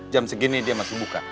jam segini dia masih buka